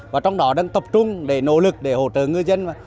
và trong đó đang tập trung để nỗ lực để hỗ trợ ngư dân